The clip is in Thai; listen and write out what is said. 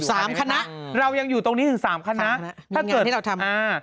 สามคณะเรายังอยู่ตรงนี้ถึงสามคณะสามคณะมีงานที่เราทำอ่า